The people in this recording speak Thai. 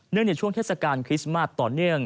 ในช่วงเทศกาลคริสต์มาสต่อเนื่อง